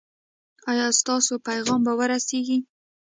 ایا ستاسو پیغام به ورسیږي؟